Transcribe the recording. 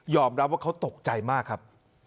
รับว่าเขาตกใจมากครับ